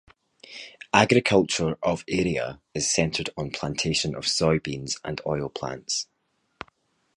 Agriculture of the area is centred on plantation of soy beans and oil plants.